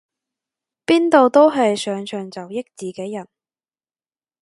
邊度都係上場就益自己人